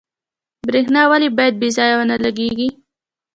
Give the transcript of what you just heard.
برښنا ولې باید بې ځایه ونه لګیږي؟